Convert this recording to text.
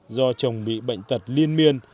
do chồng bị bệnh tật liên miên